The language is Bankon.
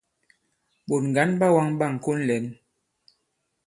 Ɓòt ŋgǎn ɓa wāŋ ɓâŋkon lɛ̂n.